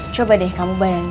coba deh kamu bayangin